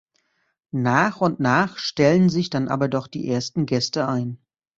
Nach und nach stellen sich dann aber doch die ersten Gäste ein.